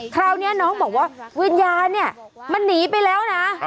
คราวนี้น้องบอกว่าวิญญาณเนี่ยมันหนีไปแล้วนะ